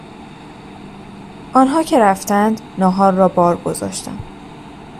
آنها که رفتند ناهار را بار گذاشتم